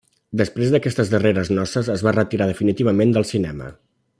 Després d'aquestes darreres noces es va retirar definitivament del cinema.